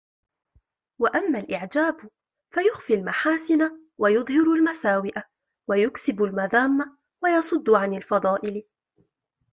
وَأَمَّا الْإِعْجَابُ فَيُخْفِي الْمَحَاسِنَ وَيُظْهِرُ الْمَسَاوِئَ وَيُكْسِبُ الْمَذَامَّ وَيَصُدُّ عَنْ الْفَضَائِلِ